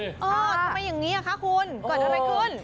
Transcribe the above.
ทำไมอย่างนี้คะคุณเกิดอะไรขึ้น